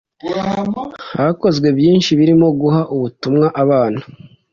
hakozwe byinshi birimo guha ubutumwa abana